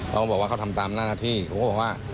เขาบอกว่าเขาทำตามหน้าที่ผมก็บอกว่า